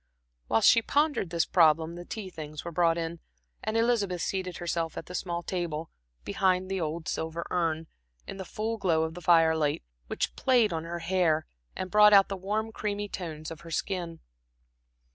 While she pondered this problem the tea things were brought in, and Elizabeth seated herself at the small table, behind the old silver urn, in the full glow of the firelight, which played on her hair and brought out the warm creamy tones of her skin.